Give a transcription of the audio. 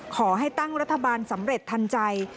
ขอให้ตั้งรัฐบาลสำเร็จทันใจ